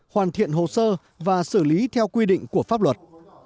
hoàn thiện hồ sơ và xử lý theo quy định của pháp luật